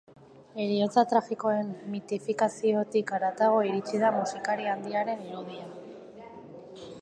Heriotza tragikoen mitifikaziotik haratago iritsi da musikari handiaren irudia.